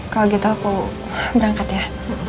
kalau gitu aku berangkat ya